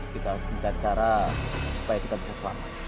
kita harus mencari cara supaya kita bisa selamat